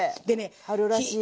春らしい。